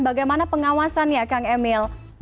bagaimana pengawasan ya kang emil